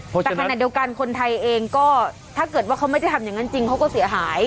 แต่ขณะเดียวกันคนไทยเองก็ถ้าเกิดว่าเขาไม่ได้ทำอย่างนั้นจริงเขาก็เสียหาย